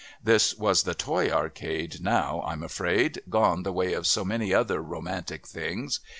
This was the Toy Arcade, now, I'm afraid, gone the way of so many other romantic things.